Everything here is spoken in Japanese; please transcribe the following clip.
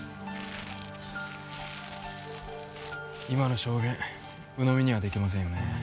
今の証言鵜呑みにはできませんよね。